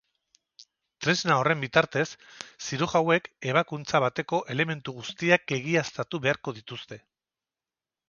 Tresna horren bitartez, zirujauek ebakuntza bateko elementu guztiak egiaztatu beharko dituzte.